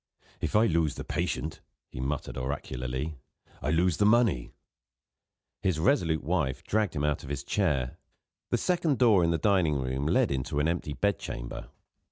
"If I lose the patient," he muttered oracularly, "I lose the money." His resolute wife dragged him out of his chair. The second door in the dining room led into an empty bed chamber.